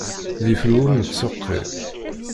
D iflu ur nettseqqi.